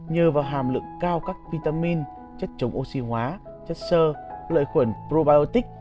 nhờ vào hàm lượng cao các vitamin chất chống oxy hóa chất sơ lợi khuẩn probiotic